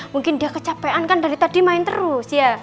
mungkin dia kecapean kan dari tadi main terus ya